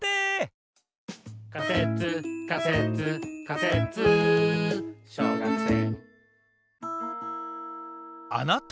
「仮説仮説仮説小学生